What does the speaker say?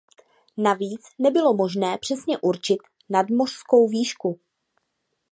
Navíc nebylo možné přesně určit nadmořskou výšku.